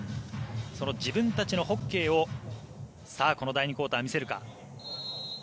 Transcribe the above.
その自分たちのホッケーをこの第２クオーター、見せるか。